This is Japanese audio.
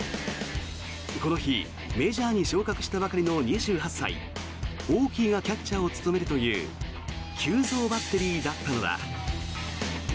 この日メジャーに昇格したばかりの２８歳、オーキーがキャッチャーを務めるという急造バッテリーだったのだ。